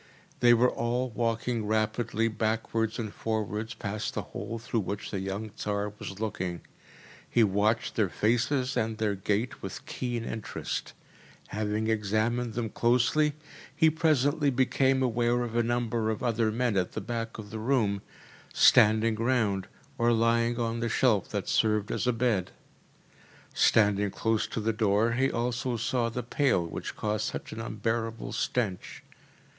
They were all walking rapidly backwards and forwards past the hole through which the young Tsar was looking. He watched their faces and their gait with keen interest. Having examined them closely, he presently became aware of a number of other men at the back of the room, standing round, or lying on the shelf that served as a bed. Standing close to the door he also saw the pail which caused such an unbearable stench.